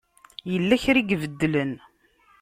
Yella kra i ibeddlen.